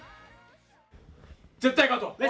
絶対、勝とう。